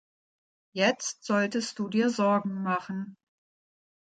Jetzt solltest du dir Sorgen machen.